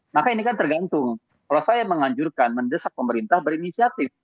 maka ini kan tergantung kalau saya menganjurkan mendesak pemerintah berinisiatif